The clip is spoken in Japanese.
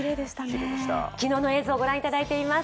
昨日の映像を御覧いただいています。